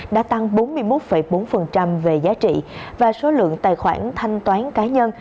đã tăng bốn mươi một bốn về giá trị và số lượng tài khoản thanh toán cá nhân